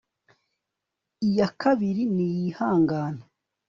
iya kabiri niyihangane